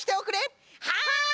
はい！